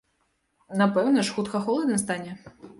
Напэўна ж, хутка холадна стане?